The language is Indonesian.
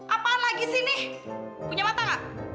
apaan lagi sih ini punya mata gak